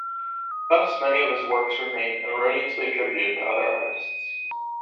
Thus, many of his works remain erroneously attributed to other artists.